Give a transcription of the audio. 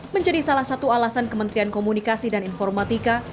menjadi salah satu alasan kementerian komunikasi dan informatika